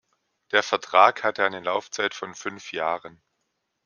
Der Vertrag hatte eine Laufzeit von fünf Jahren.